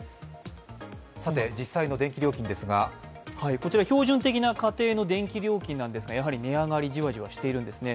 実際の電気料金ですが、こちら標準的な家庭の電気料金ですがやはり値が上がりじわじわしているんですね。